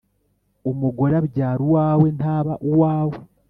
Umugore abyara uwawe ntaba uwawe.